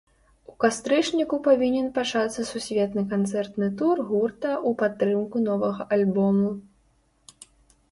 У кастрычніку павінен пачацца сусветны канцэртны тур гурта ў падтрымку новага альбому.